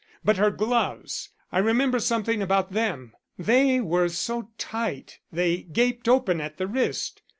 But her gloves I remember something about them. They were so tight they gaped open at the wrist.